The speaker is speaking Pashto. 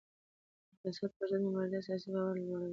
د فساد پر ضد مبارزه سیاسي باور لوړوي